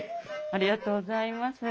ありがとうございます。